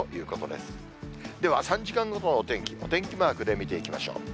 では、３時間ごとのお天気、お天気マークで見ていきましょう。